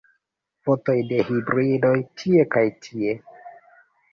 Fotoj de hibridoj tie kaj tie.